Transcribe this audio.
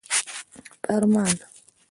فرمان